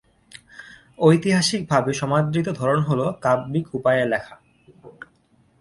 ঐতিহাসিক ভাবে সমাদৃত ধরন হলো কাব্যিক উপায়ে লেখা।